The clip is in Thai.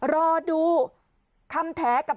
รอดูคำแถกับ